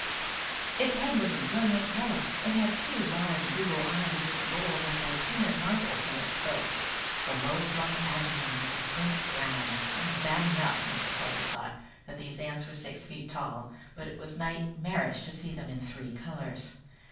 Its head was a brilliant yellow. It had two large goggle eyes which rolled like itinerant marbles when it spoke. The low slung abdomen was a burnt brown. It was bad enough, Cruthers thought, that these ants were six feet tall, but it was nightmarish to see them in three colors.